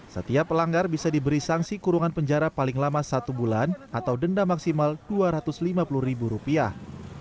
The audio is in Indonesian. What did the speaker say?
setiap pelanggar bisa diberi sanksi kurungan penjara paling lama satu bulan atau denda maksimal dua ratus lima puluh ribu rupiah